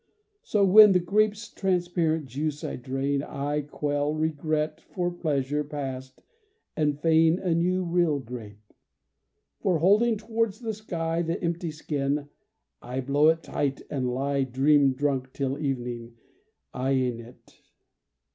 So when the grape's transparent juice I drain, I quell regret for pleasures past and feign A new real grape. For holding towards the sky The empty skin, I blow it tight and lie Dream drunk till evening, eyeing it.